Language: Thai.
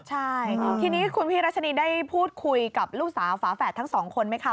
ใช่ทีนี้คุณพี่รัชนีได้พูดคุยกับลูกสาวฝาแฝดทั้งสองคนไหมคะ